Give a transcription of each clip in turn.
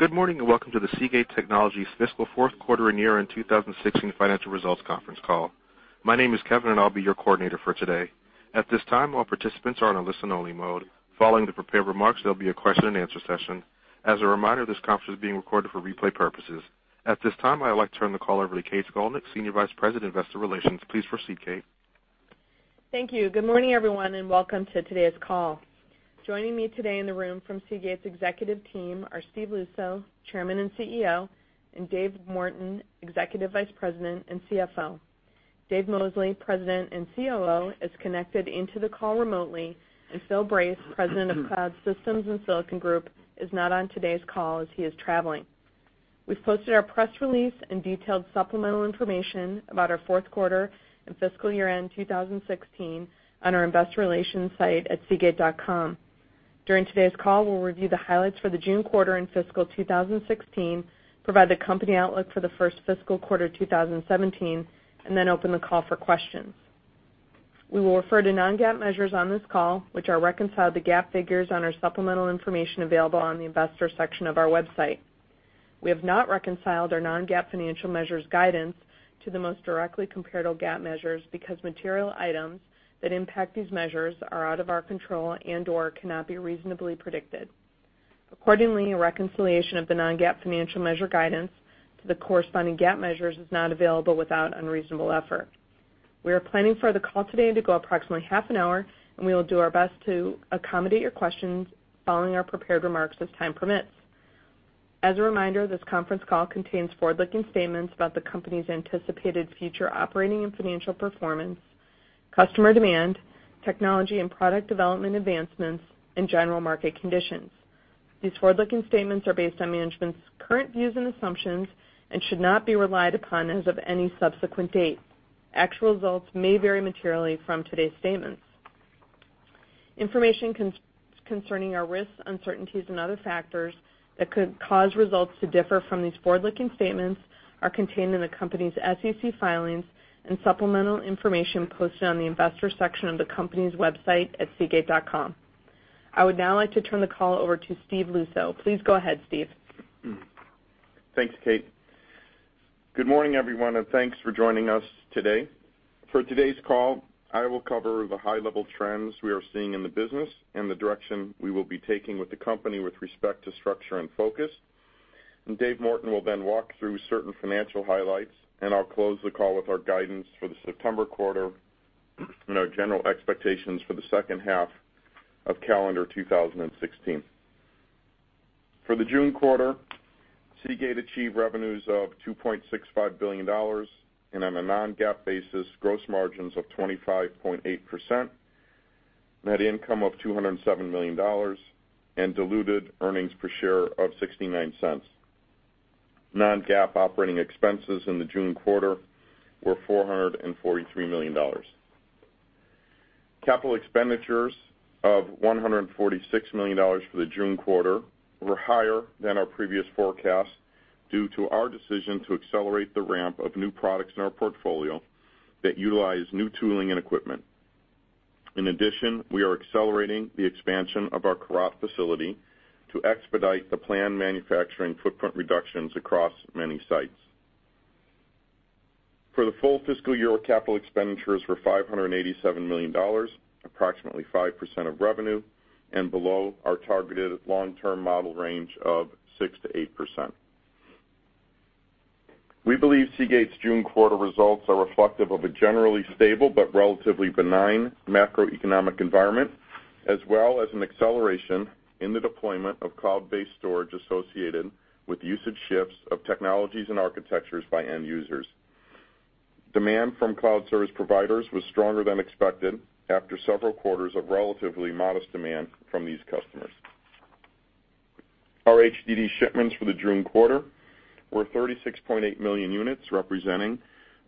Good morning, welcome to Seagate Technology's fiscal fourth quarter and year-end 2016 financial results conference call. My name is Kevin, and I'll be your coordinator for today. At this time, all participants are on a listen-only mode. Following the prepared remarks, there'll be a question and answer session. As a reminder, this conference is being recorded for replay purposes. At this time, I would like to turn the call over to Kate Goldkuhl, Senior Vice President, Investor Relations. Please proceed, Kate. Thank you. Good morning, everyone, welcome to today's call. Joining me today in the room from Seagate's executive team are Steve Luczo, Chairman and CEO, and Dave Morton, Executive Vice President and CFO. Dave Mosley, President and COO, is connected into the call remotely, Phil Brace, President of Cloud Systems and Silicon Group, is not on today's call as he is traveling. We've posted our press release and detailed supplemental information about our fourth quarter and fiscal year-end 2016 on our investor relations site at seagate.com. During today's call, we'll review the highlights for the June quarter and fiscal 2016, provide the company outlook for the first fiscal quarter 2017, open the call for questions. We will refer to non-GAAP measures on this call, which are reconciled to GAAP figures on our supplemental information available on the investor section of our website. We have not reconciled our non-GAAP financial measures guidance to the most directly comparable GAAP measures because material items that impact these measures are out of our control and/or cannot be reasonably predicted. Accordingly, a reconciliation of the non-GAAP financial measure guidance to the corresponding GAAP measures is not available without unreasonable effort. We are planning for the call today to go approximately half an hour, we will do our best to accommodate your questions following our prepared remarks as time permits. As a reminder, this conference call contains forward-looking statements about the company's anticipated future operating and financial performance, customer demand, technology and product development advancements, and general market conditions. These forward-looking statements are based on management's current views and assumptions and should not be relied upon as of any subsequent date. Actual results may vary materially from today's statements. Information concerning our risks, uncertainties, and other factors that could cause results to differ from these forward-looking statements are contained in the company's SEC filings and supplemental information posted on the investor section of the company's website at seagate.com. I would now like to turn the call over to Steve Luczo. Please go ahead, Steve. Thanks, Kate. Good morning, everyone, and thanks for joining us today. For today's call, I will cover the high-level trends we are seeing in the business and the direction we will be taking with the company with respect to structure and focus. Dave Morton will then walk through certain financial highlights, and I'll close the call with our guidance for the September quarter and our general expectations for the second half of calendar 2016. For the June quarter, Seagate achieved revenues of $2.65 billion, and on a non-GAAP basis, gross margins of 25.8%, net income of $207 million, and diluted earnings per share of $0.69. Non-GAAP operating expenses in the June quarter were $443 million. Capital expenditures of $146 million for the June quarter were higher than our previous forecast due to our decision to accelerate the ramp of new products in our portfolio that utilize new tooling and equipment. In addition, we are accelerating the expansion of our Korat facility to expedite the planned manufacturing footprint reductions across many sites. For the full fiscal year, our capital expenditures were $587 million, approximately 5% of revenue, and below our targeted long-term model range of 6%-8%. We believe Seagate's June quarter results are reflective of a generally stable but relatively benign macroeconomic environment, as well as an acceleration in the deployment of cloud-based storage associated with usage shifts of technologies and architectures by end users. Demand from cloud service providers was stronger than expected after several quarters of relatively modest demand from these customers. Our HDD shipments for the June quarter were 36.8 million units, representing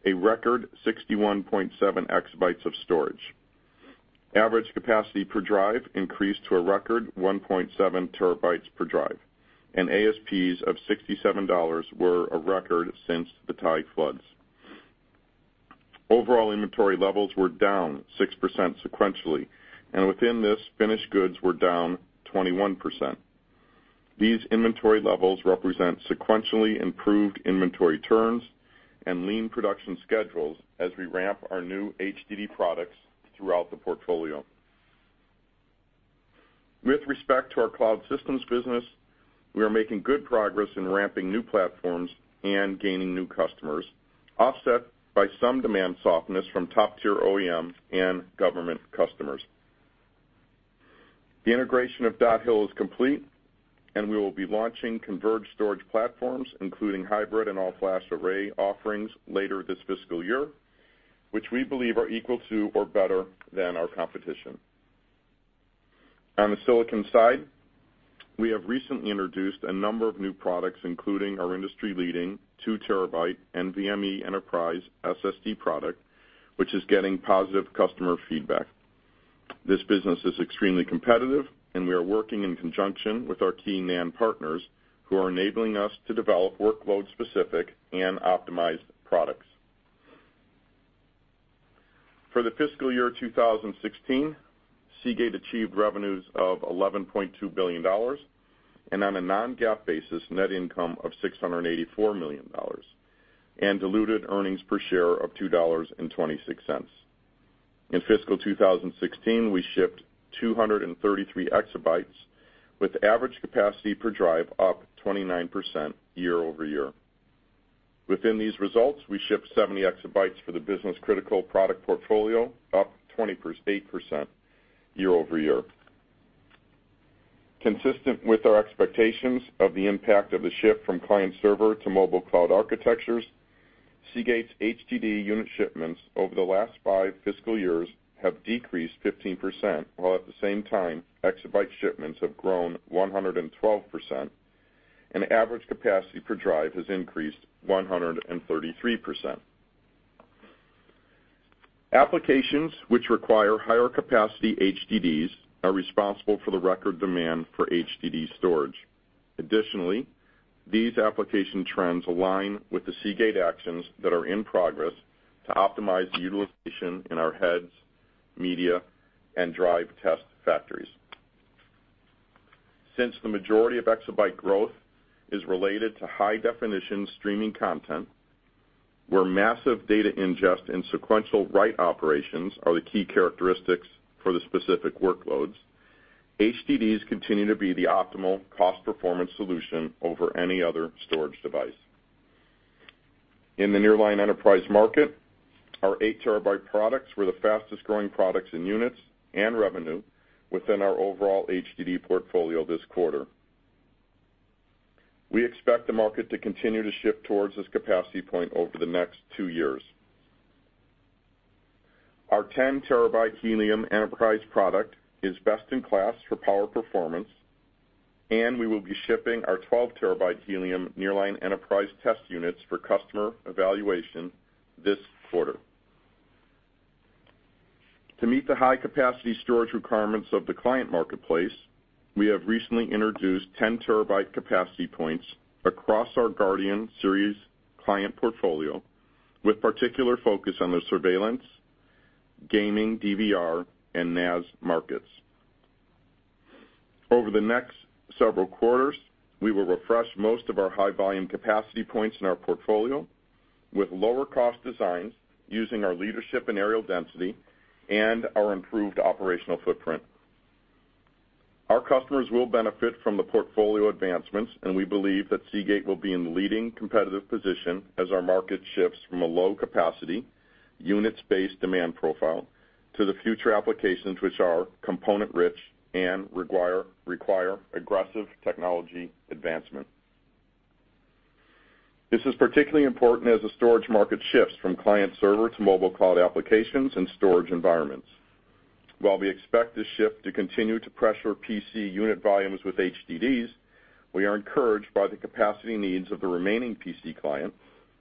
a record 61.7 exabytes of storage. Average capacity per drive increased to a record 1.7 terabytes per drive, and ASPs of $67 were a record since the Thai floods. Overall inventory levels were down 6% sequentially, and within this, finished goods were down 21%. These inventory levels represent sequentially improved inventory turns and lean production schedules as we ramp our new HDD products throughout the portfolio. With respect to our cloud systems business, we are making good progress in ramping new platforms and gaining new customers, offset by some demand softness from top-tier OEM and government customers. The integration of Dot Hill is complete, and we will be launching converged storage platforms, including hybrid and all-flash array offerings later this fiscal year, which we believe are equal to or better than our competition. On the silicon side, we have recently introduced a number of new products, including our industry-leading two terabyte NVMe enterprise SSD product, which is getting positive customer feedback. This business is extremely competitive, and we are working in conjunction with our key NAND partners, who are enabling us to develop workload-specific and optimized products. For the fiscal year 2016, Seagate achieved revenues of $11.2 billion and on a non-GAAP basis, net income of $684 million and diluted earnings per share of $2.26. In fiscal 2016, we shipped 233 exabytes with average capacity per drive up 29% year-over-year. Within these results, we shipped 70 exabytes for the business critical product portfolio, up 28% year-over-year. Consistent with our expectations of the impact of the shift from client server to mobile cloud architectures, Seagate's HDD unit shipments over the last five fiscal years have decreased 15%, while at the same time, exabyte shipments have grown 112%, and average capacity per drive has increased 133%. Applications which require higher capacity HDDs are responsible for the record demand for HDD storage. Additionally, these application trends align with the Seagate actions that are in progress to optimize the utilization in our heads, media, and drive test factories. Since the majority of exabyte growth is related to high definition streaming content, where massive data ingest and sequential write operations are the key characteristics for the specific workloads, HDDs continue to be the optimal cost performance solution over any other storage device. In the Nearline Enterprise market, our 8 terabyte products were the fastest growing products in units and revenue within our overall HDD portfolio this quarter. We expect the market to continue to shift towards this capacity point over the next two years. Our 10-terabyte Helium Enterprise product is best in class for power performance, and we will be shipping our 12-terabyte Helium Nearline Enterprise test units for customer evaluation this quarter. To meet the high capacity storage requirements of the client marketplace, we have recently introduced 10-terabyte capacity points across our Guardian Series client portfolio, with particular focus on the surveillance, gaming, DVR, and NAS markets. Over the next several quarters, we will refresh most of our high volume capacity points in our portfolio with lower cost designs using our leadership in areal density and our improved operational footprint. Our customers will benefit from the portfolio advancements, we believe that Seagate will be in the leading competitive position as our market shifts from a low capacity units-based demand profile to the future applications which are component rich and require aggressive technology advancement. This is particularly important as the storage market shifts from client server to mobile cloud applications and storage environments. While we expect the shift to continue to pressure PC unit volumes with HDDs, we are encouraged by the capacity needs of the remaining PC client,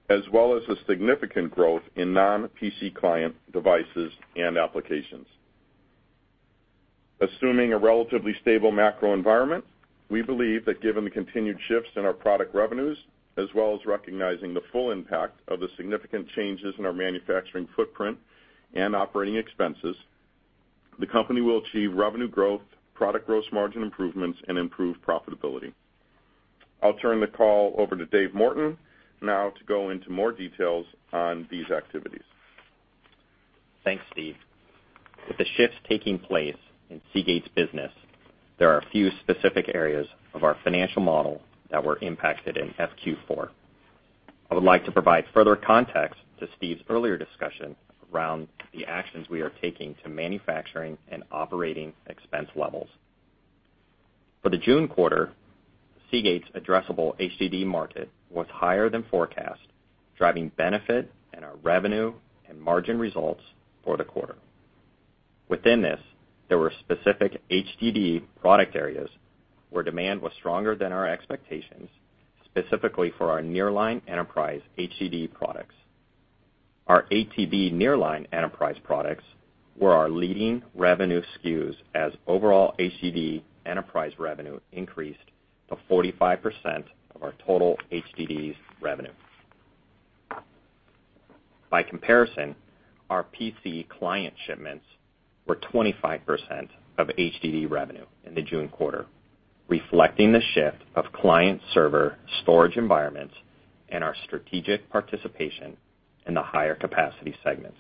as well as the significant growth in non-PC client devices and applications. Assuming a relatively stable macro environment, we believe that given the continued shifts in our product revenues, as well as recognizing the full impact of the significant changes in our manufacturing footprint and operating expenses, the company will achieve revenue growth, product gross margin improvements, and improved profitability. I'll turn the call over to Dave Morton now to go into more details on these activities. Thanks, Steve. With the shifts taking place in Seagate's business, there are a few specific areas of our financial model that were impacted in Q4. I would like to provide further context to Steve's earlier discussion around the actions we are taking to manufacturing and operating expense levels. For the June quarter, Seagate's addressable HDD market was higher than forecast, driving benefit in our revenue and margin results for the quarter. Within this, there were specific HDD product areas where demand was stronger than our expectations, specifically for our Nearline Enterprise HDD products. Our 8 TB Nearline Enterprise products were our leading revenue SKUs as overall HDD enterprise revenue increased to 45% of our total HDDs revenue. By comparison, our PC client shipments were 25% of HDD revenue in the June quarter, reflecting the shift of client server storage environments and our strategic participation in the higher capacity segments.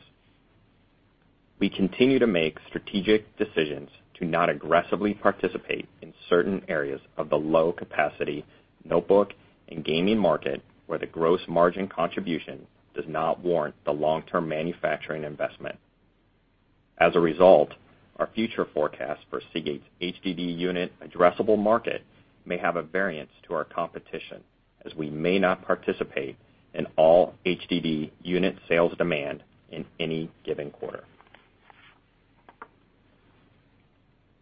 We continue to make strategic decisions to not aggressively participate in certain areas of the low capacity notebook and gaming market, where the gross margin contribution does not warrant the long-term manufacturing investment. As a result, our future forecasts for Seagate's HDD unit addressable market may have a variance to our competition, as we may not participate in all HDD unit sales demand in any given quarter.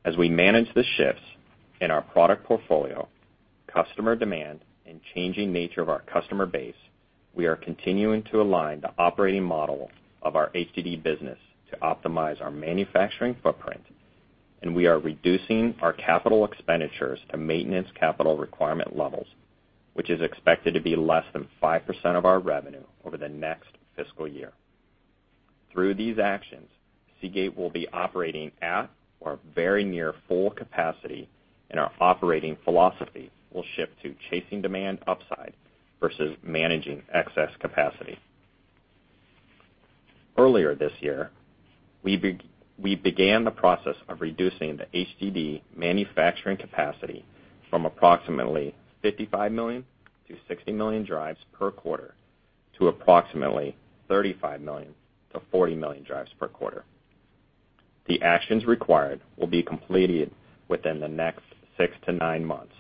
As we manage the shifts in our product portfolio, customer demand, and changing nature of our customer base, we are continuing to align the operating model of our HDD business to optimize our manufacturing footprint. We are reducing our capital expenditures to maintenance capital requirement levels, which is expected to be less than 5% of our revenue over the next fiscal year. Through these actions, Seagate will be operating at or very near full capacity, and our operating philosophy will shift to chasing demand upside versus managing excess capacity. Earlier this year, we began the process of reducing the HDD manufacturing capacity from approximately 55 million-60 million drives per quarter to approximately 35 million-40 million drives per quarter. The actions required will be completed within the next six to nine months.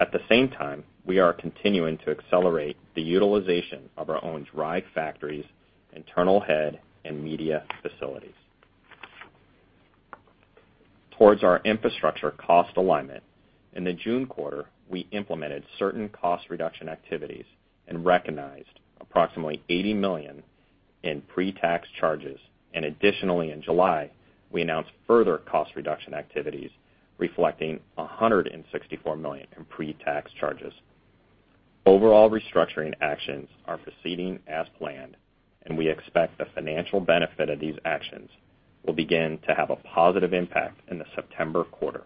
At the same time, we are continuing to accelerate the utilization of our own drive factories, internal head, and media facilities. Towards our infrastructure cost alignment, in the June quarter, we implemented certain cost reduction activities and recognized approximately $80 million in pre-tax charges. Additionally, in July, we announced further cost reduction activities reflecting $164 million in pre-tax charges. Overall restructuring actions are proceeding as planned, and we expect the financial benefit of these actions will begin to have a positive impact in the September quarter.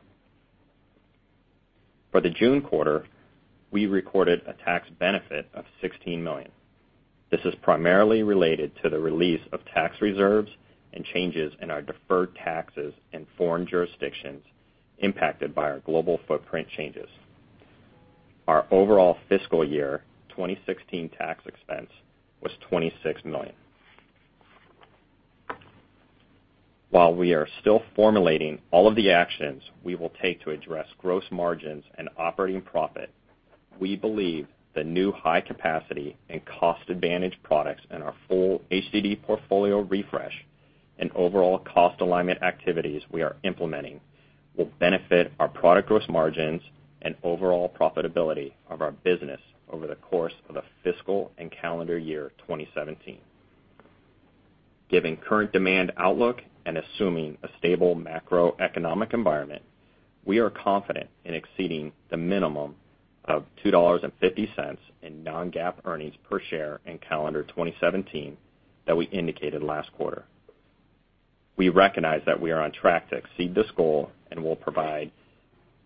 For the June quarter, we recorded a tax benefit of $16 million. This is primarily related to the release of tax reserves and changes in our deferred taxes in foreign jurisdictions impacted by our global footprint changes. Our overall fiscal year 2016 tax expense was $26 million. While we are still formulating all of the actions we will take to address gross margins and operating profit, we believe the new high-capacity and cost-advantaged products in our full HDD portfolio refresh and overall cost alignment activities we are implementing will benefit our product gross margins and overall profitability of our business over the course of the fiscal and calendar year 2017. Given current demand outlook and assuming a stable macroeconomic environment, we are confident in exceeding the minimum of $2.50 in non-GAAP earnings per share in calendar 2017 that we indicated last quarter. We recognize that we are on track to exceed this goal, and will provide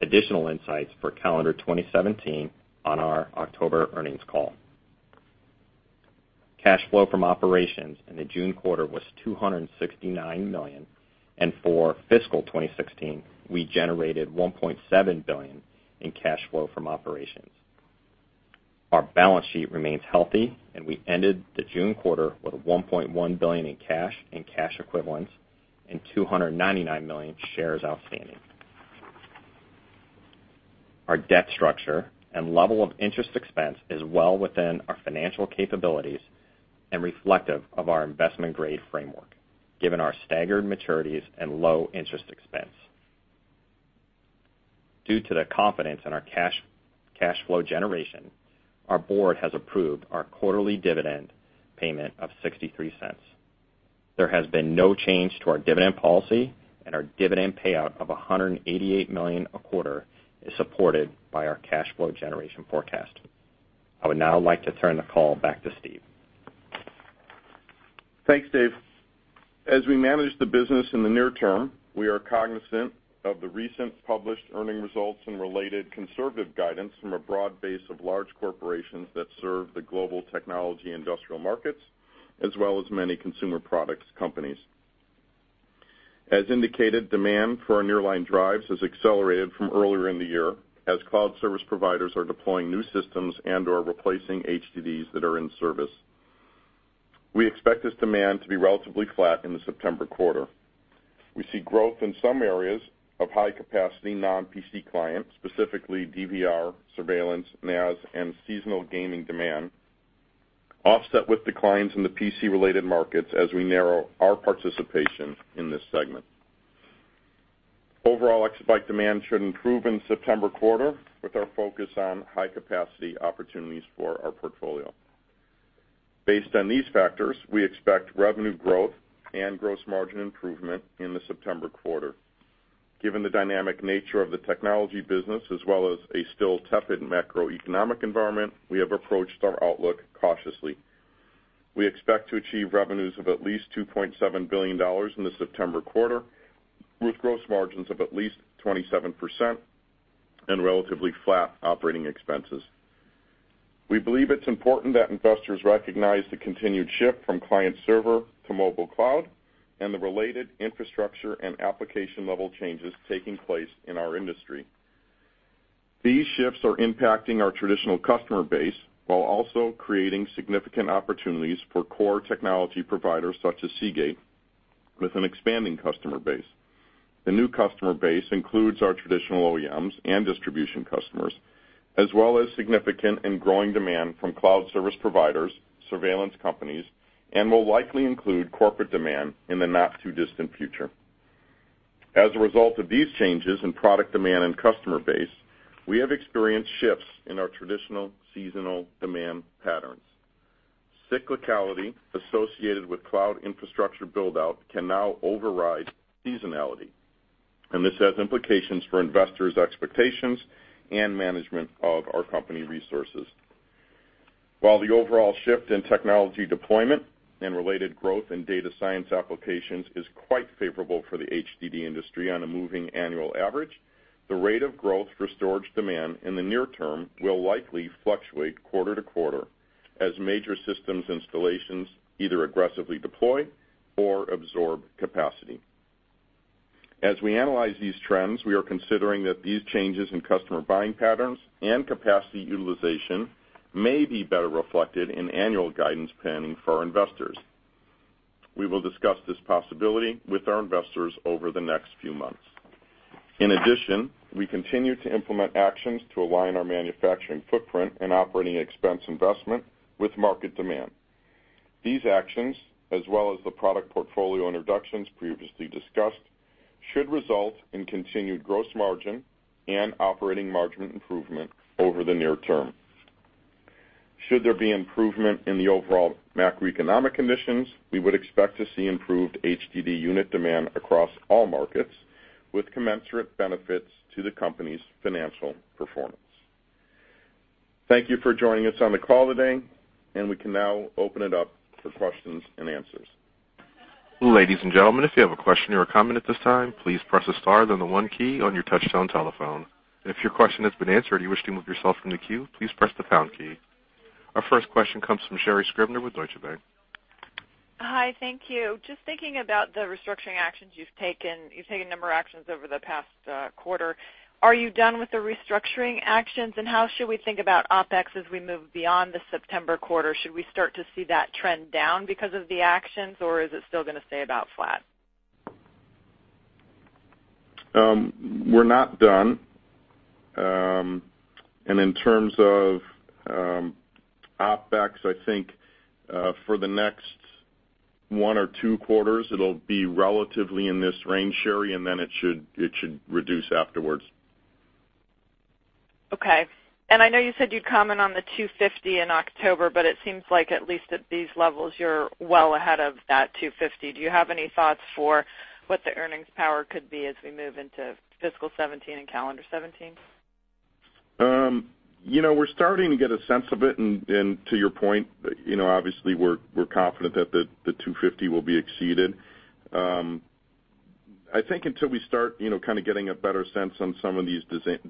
additional insights for calendar 2017 on our October earnings call. Cash flow from operations in the June quarter was $269 million, and for fiscal 2016, we generated $1.7 billion in cash flow from operations. Our balance sheet remains healthy, and we ended the June quarter with $1.1 billion in cash and cash equivalents and 299 million shares outstanding. Our debt structure and level of interest expense is well within our financial capabilities and reflective of our investment-grade framework, given our staggered maturities and low interest expense. Due to the confidence in our cash flow generation, our board has approved our quarterly dividend payment of $0.63. Our dividend payout of $188 million a quarter is supported by our cash flow generation forecast. I would now like to turn the call back to Steve. Thanks, Dave. As we manage the business in the near term, we are cognizant of the recent published earning results and related conservative guidance from a broad base of large corporations that serve the global technology industrial markets, as well as many consumer products companies. As indicated, demand for our nearline drives has accelerated from earlier in the year, as cloud service providers are deploying new systems and/or replacing HDDs that are in service. We expect this demand to be relatively flat in the September quarter. We see growth in some areas of high-capacity non-PC clients, specifically DVR, surveillance, NAS, and seasonal gaming demand, offset with declines in the PC-related markets as we narrow our participation in this segment. Overall exabyte demand should improve in the September quarter, with our focus on high-capacity opportunities for our portfolio. Based on these factors, we expect revenue growth and gross margin improvement in the September quarter. Given the dynamic nature of the technology business as well as a still tepid macroeconomic environment, we have approached our outlook cautiously. We expect to achieve revenues of at least $2.7 billion in the September quarter, with gross margins of at least 27% and relatively flat operating expenses. We believe it's important that investors recognize the continued shift from client server to mobile cloud and the related infrastructure and application-level changes taking place in our industry. These shifts are impacting our traditional customer base while also creating significant opportunities for core technology providers such as Seagate, with an expanding customer base. The new customer base includes our traditional OEMs and distribution customers, as well as significant and growing demand from cloud service providers, surveillance companies, and will likely include corporate demand in the not-too-distant future. As a result of these changes in product demand and customer base, we have experienced shifts in our traditional seasonal demand patterns. Cyclicality associated with cloud infrastructure build-out can now override seasonality, and this has implications for investors' expectations and management of our company resources. While the overall shift in technology deployment and related growth in data science applications is quite favorable for the HDD industry on a moving annual average, the rate of growth for storage demand in the near term will likely fluctuate quarter-to-quarter as major systems installations either aggressively deploy or absorb capacity. As we analyze these trends, we are considering that these changes in customer buying patterns and capacity utilization may be better reflected in annual guidance planning for our investors. We will discuss this possibility with our investors over the next few months. In addition, we continue to implement actions to align our manufacturing footprint and operating expense investment with market demand. These actions, as well as the product portfolio introductions previously discussed, should result in continued gross margin and operating margin improvement over the near term. Should there be improvement in the overall macroeconomic conditions, we would expect to see improved HDD unit demand across all markets with commensurate benefits to the company's financial performance. Thank you for joining us on the call today. We can now open it up for questions and answers. Ladies and gentlemen, if you have a question or a comment at this time, please press the star then the one key on your touchtone telephone. If your question has been answered and you wish to remove yourself from the queue, please press the pound key. Our first question comes from Sherri Scribner with Deutsche Bank. Hi, thank you. Just thinking about the restructuring actions you've taken. You've taken a number of actions over the past quarter. Are you done with the restructuring actions, and how should we think about OpEx as we move beyond the September quarter? Should we start to see that trend down because of the actions, or is it still going to stay about flat? We're not done. In terms of OpEx, I think for the next one or two quarters, it'll be relatively in this range, Sherri, and then it should reduce afterwards. Okay. I know you said you'd comment on the $250 in October, it seems like at least at these levels, you're well ahead of that $250. Do you have any thoughts for what the earnings power could be as we move into fiscal 2017 and calendar 2017? We're starting to get a sense of it, and to your point, obviously we're confident that the $250 will be exceeded. I think until we start getting a better sense on some of these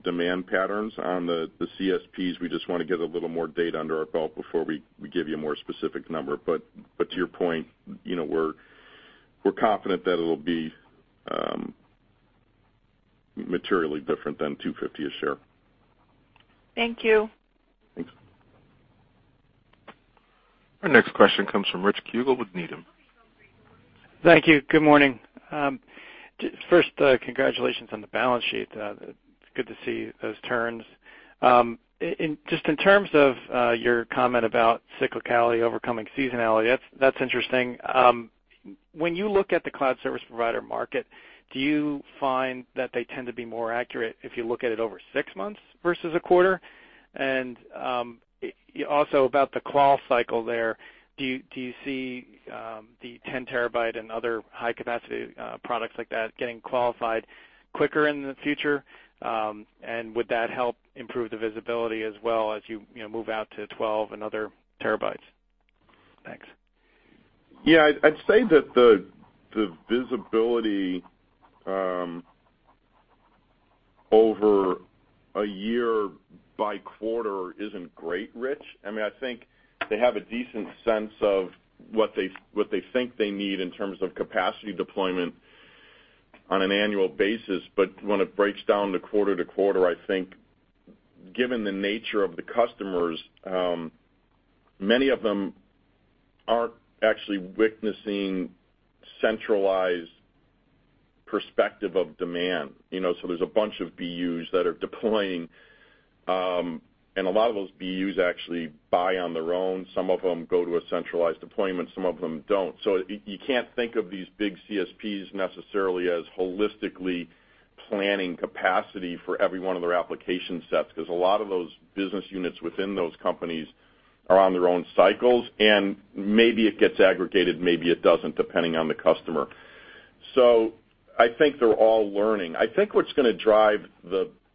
demand patterns on the CSPs, we just want to get a little more data under our belt before we give you a more specific number. To your point, we're confident that it'll be materially different than $250 a share. Thank you. Thanks. Our next question comes from Rich Kugele with Needham. Thank you. Good morning. First, congratulations on the balance sheet. Good to see those turns. Just in terms of your comment about cyclicality overcoming seasonality, that's interesting. When you look at the cloud service provider market, do you find that they tend to be more accurate if you look at it over six months versus a quarter? Also about the qual cycle there, do you see the 10 terabyte and other high-capacity products like that getting qualified quicker in the future? Would that help improve the visibility as well as you move out to 12 and other terabytes? Thanks. Yeah. I'd say that the visibility over a year by quarter isn't great, Rich. I think they have a decent sense of what they think they need in terms of capacity deployment on an annual basis. When it breaks down to quarter to quarter, I think given the nature of the customers, many of them aren't actually witnessing centralized perspective of demand. There's a bunch of BUs that are deploying, and a lot of those BUs actually buy on their own. Some of them go to a centralized deployment, some of them don't. You can't think of these big CSPs necessarily as holistically planning capacity for every one of their application sets because a lot of those business units within those companies are on their own cycles, and maybe it gets aggregated, maybe it doesn't, depending on the customer. I think they're all learning. I think what's going to drive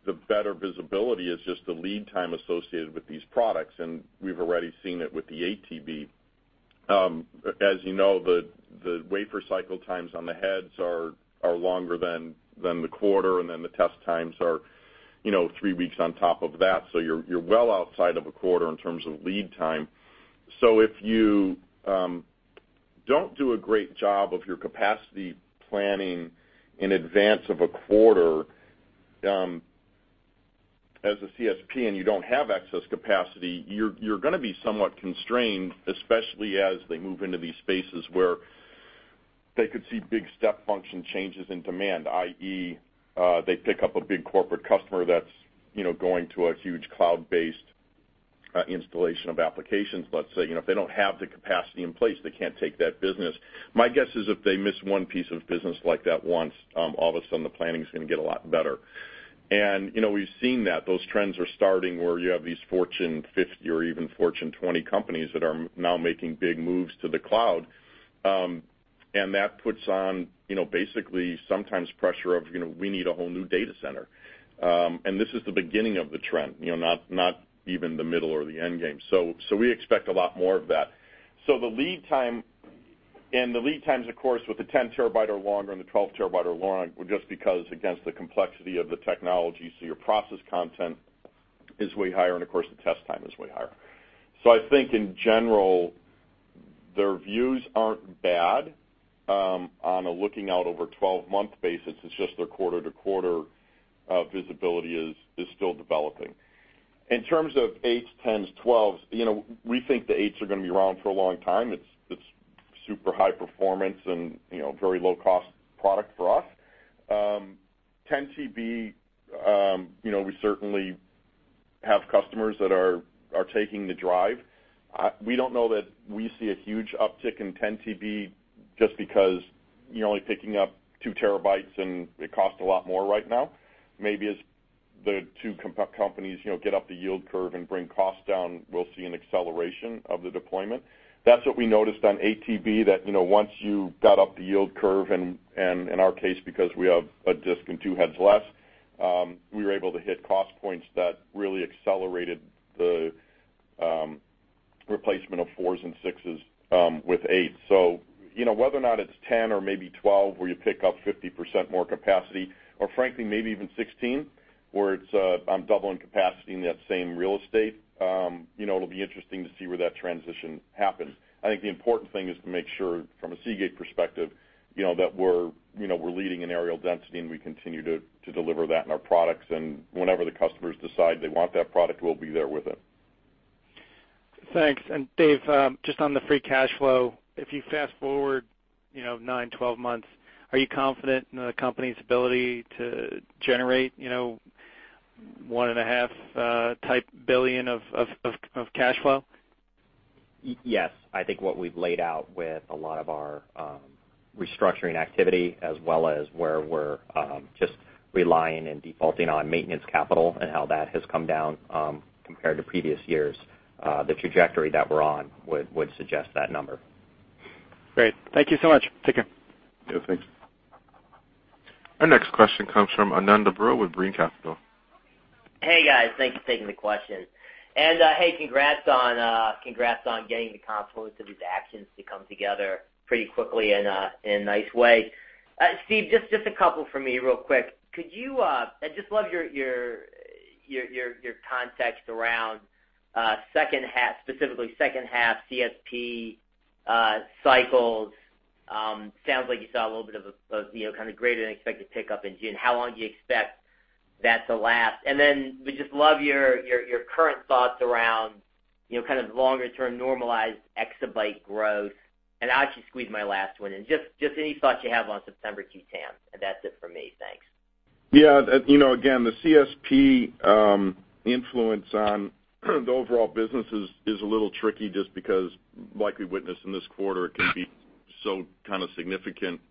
the better visibility is just the lead time associated with these products, and we've already seen it with the 8 TB. As you know, the wafer cycle times on the heads are longer than the quarter, and then the test times are three weeks on top of that. You're well outside of a quarter in terms of lead time. If you don't do a great job of your capacity planning in advance of a quarter as a CSP, and you don't have excess capacity, you're going to be somewhat constrained, especially as they move into these spaces where they could see big step function changes in demand, i.e., they pick up a big corporate customer that's going to a huge cloud-based installation of applications, let's say. If they don't have the capacity in place, they can't take that business. My guess is if they miss one piece of business like that once, all of a sudden the planning is going to get a lot better. We've seen that those trends are starting where you have these Fortune 50 or even Fortune 20 companies that are now making big moves to the cloud. That puts on basically sometimes pressure of, we need a whole new data center. This is the beginning of the trend, not even the middle or the end game. We expect a lot more of that. The lead times, of course, with the 10 terabyte are longer, and the 12 terabyte are longer, just because against the complexity of the technology, your process content is way higher, and of course, the test time is way higher. I think in general, their views aren't bad on a looking-out-over-12-month basis. It's just their quarter-to-quarter visibility is still developing. In terms of eights, 10s, 12s, we think the eights are going to be around for a long time. It's super high performance and very low-cost product for us. 10 TB, we certainly have customers that are taking the drive. We don't know that we see a huge uptick in 10 TB just because you're only picking up two terabytes, and it costs a lot more right now. Maybe as the two companies get up the yield curve and bring costs down, we'll see an acceleration of the deployment. That's what we noticed on 8 TB, that once you got up the yield curve, and in our case because we have a disk and two heads less, we were able to hit cost points that really accelerated the replacement of fours and sixes with eight. Whether or not it's 10 or maybe 12 where you pick up 50% more capacity, or frankly maybe even 16, where it's doubling capacity in that same real estate, it'll be interesting to see where that transition happens. I think the important thing is to make sure, from a Seagate perspective, that we're leading in areal density, and we continue to deliver that in our products. Whenever the customers decide they want that product, we'll be there with it. Thanks. Dave, just on the free cash flow, if you fast-forward nine, 12 months, are you confident in the company's ability to generate one-and-a-half-type billion of cash flow? Yes. I think what we've laid out with a lot of our restructuring activity, as well as where we're just relying and defaulting on maintenance capital and how that has come down compared to previous years, the trajectory that we're on would suggest that number. Great. Thank you so much. Take care. Yeah, thanks. Our next question comes from Ananda Baruah with Greencrest Capital. Hey, guys. Thanks for taking the question. Hey, congrats on getting the confluence of these actions to come together pretty quickly in a nice way. Steve Luczo, just a couple from me real quick. I just love your context around second half, specifically second-half CSP cycles. Sounds like you saw a little bit of a greater-than-expected pickup in June. How long do you expect that to last? We'd just love your current thoughts around longer-term normalized exabyte growth. I'll actually squeeze my last one in. Just any thoughts you have on September Q TAM, and that's it for me. Thanks. Yeah. Again, the CSP influence on the overall business is a little tricky just because, like we witnessed in this quarter, it can be so significant.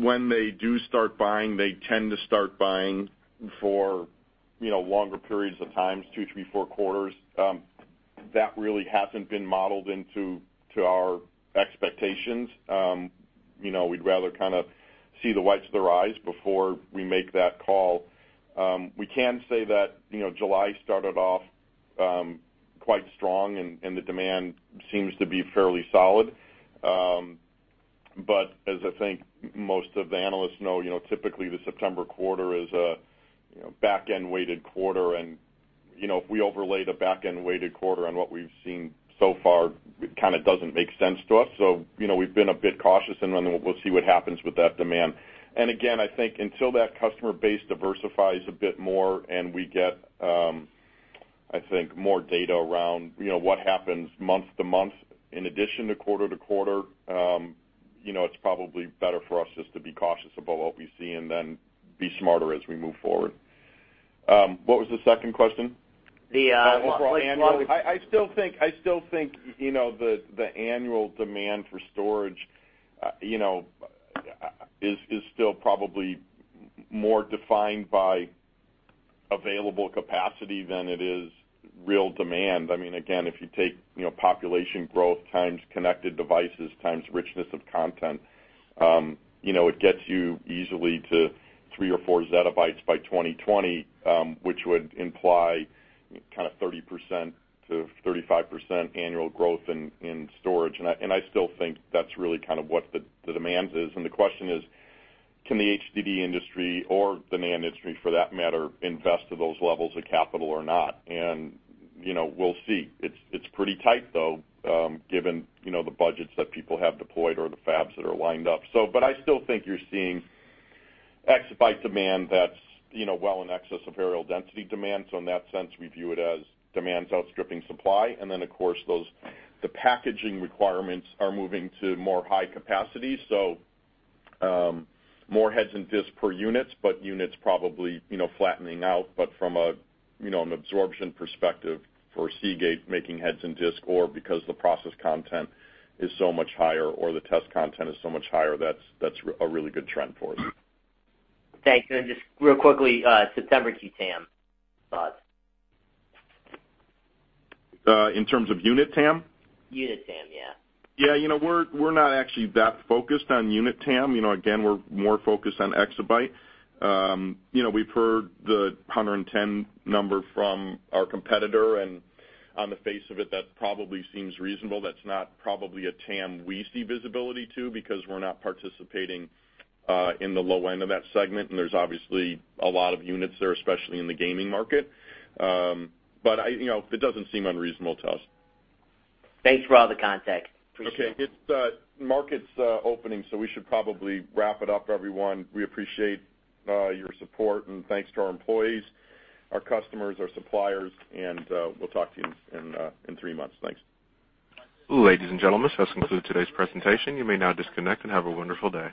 When they do start buying, they tend to start buying for longer periods of times, two, three, four quarters. That really hasn't been modeled into our expectations. We'd rather see the whites of their eyes before we make that call. We can say that July started off quite strong, and the demand seems to be fairly solid. As I think most of the analysts know, typically the September quarter is a back-end-weighted quarter. If we overlay the back-end-weighted quarter on what we've seen so far, it kind of doesn't make sense to us. We've been a bit cautious, we'll see what happens with that demand. Again, I think until that customer base diversifies a bit more and we get I think, more data around what happens month to month in addition to quarter to quarter, it's probably better for us just to be cautious about what we see and then be smarter as we move forward. What was the second question? The long- I still think the annual demand for storage is still probably more defined by available capacity than it is real demand. Again, if you take population growth times connected devices times richness of content, it gets you easily to three or four zettabytes by 2020, which would imply 30%-35% annual growth in storage. I still think that's really what the demand is. The question is: Can the HDD industry, or the NAND industry for that matter, invest to those levels of capital or not? We'll see. It's pretty tight, though, given the budgets that people have deployed or the fabs that are lined up. I still think you're seeing exabyte demand that's well in excess of areal density demand. In that sense, we view it as demand outstripping supply. Of course, the packaging requirements are moving to more high capacity. More heads and disks per units probably flattening out. From an absorption perspective for Seagate making heads and disk or because the process content is so much higher or the test content is so much higher, that's a really good trend for us. Thanks. Just real quickly, September QTAM thoughts. In terms of unit TAM? Unit TAM, yeah. Yeah, we're not actually that focused on unit TAM. Again, we're more focused on exabyte. We've heard the 110 number from our competitor, and on the face of it, that probably seems reasonable. That's not probably a TAM we see visibility to because we're not participating in the low end of that segment, and there's obviously a lot of units there, especially in the gaming market. It doesn't seem unreasonable to us. Thanks for all the context. Appreciate it. Okay. The market's opening, so we should probably wrap it up, everyone. We appreciate your support, and thanks to our employees, our customers, our suppliers, and we'll talk to you in three months. Thanks. Ladies and gentlemen, this concludes today's presentation. You may now disconnect and have a wonderful day.